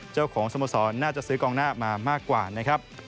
เจ้าของสมสรรน่าจะซื้อกองหน้ามามากกว่านะครับ